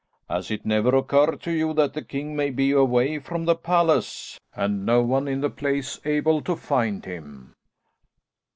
"Has it never occurred to you that the king may be away from the palace, and no one in the place able to find him?"